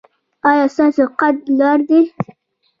ایا ستاسو قد لوړ دی؟